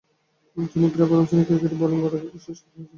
তিনি প্রায় প্রথম-শ্রেণীর ক্রিকেটের বোলিং গড়ে শীর্ষস্থানে ছিলেন।